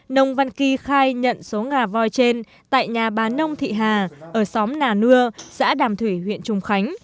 nông văn kỳ khai nhận số ngà voi trên tại nhà bà nông thị hà ở xóm nà nưa xã đàm thủy huyện trùng khánh